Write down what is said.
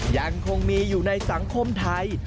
ยังคงมีอยู่ในสังคมไทย